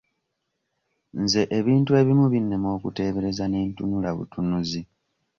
Nze ebintu ebimu binnema okuteebereza ne ntunula butunuzi.